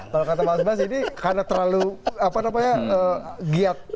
kalau kata mas budi sambas ini karena terlalu giat